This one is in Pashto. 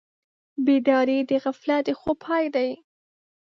بیداري د غفلت د خوب پای ده.